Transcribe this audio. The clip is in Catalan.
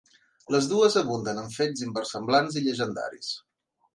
Les dues abunden en fets inversemblants i llegendaris.